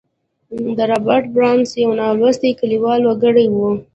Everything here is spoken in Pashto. رابرټ برنس یو نالوستی او کلیوال وګړی و